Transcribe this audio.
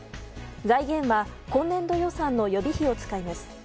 財源は今年度予算の予備費を使います。